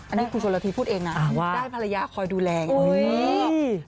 อันนี้ครูชนละทีพูดเองนะได้ภรรยาคอยดูแลงนะครับโอ้โฮ